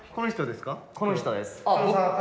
この人ですか？